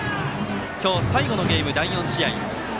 今日、最後のゲームの第４試合。